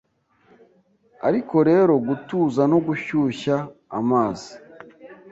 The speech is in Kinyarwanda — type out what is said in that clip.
Ariko rero gutuza no gushyushya amazi